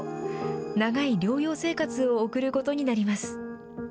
長い療養生活を送ることになります。